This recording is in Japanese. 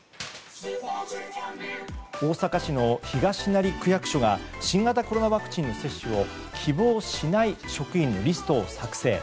大阪市の東成区役所が新型コロナワクチンの接種を希望しない職員のリストを作成。